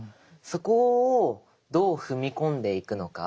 そこをどう踏み込んでいくのか。